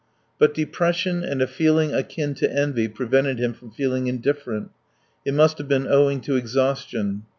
But depression and a feeling akin to envy prevented him from feeling indifferent; it must have been owing to exhaustion.